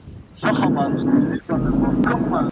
له طلاق سره درانه خطرونه ممکن دي.